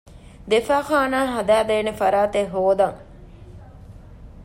ދެ ފާޚާނާ ހަދައިދޭނެ ފަރާތެއް ހޯދަން